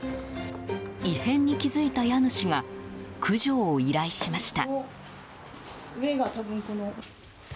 異変に気付いた家主が駆除を依頼しました。